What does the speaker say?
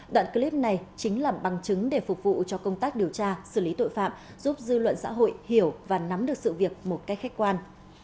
đoạn clip này chính là bằng chứng để phục vụ cho công tác điều tra xử lý tội phạm giúp dư luận xã hội hiểu và nắm được sự việc một cách khách quan